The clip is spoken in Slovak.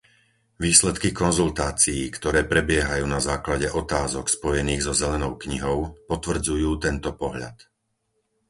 Výsledky konzultácií, ktoré prebiehajú na základe otázok spojených so zelenou knihou, potvrdzujú tento pohľad.